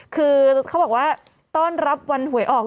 คือเขาบอกว่าต้อนรับวันหวยออก